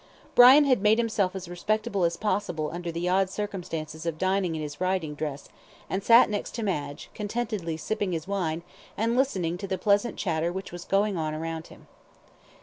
Brian had made himself as respectable as possible under the odd circumstances of dining in his riding dress, and sat next to Madge, contentedly sipping his wine, and listening to the pleasant chatter which was going on around him.